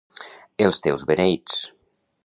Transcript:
Els teus beneits!